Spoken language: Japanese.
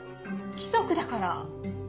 規則だから。